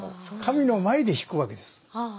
神の前で引くわけです。